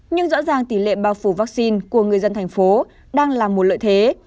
nhưng rõ ràng tỷ lệ bao phủ vaccine của người dân tp hcm đang là một lợi thế